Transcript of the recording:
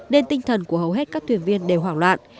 nên tinh thần của hầu hết các thuyền viên đều hoảng loạn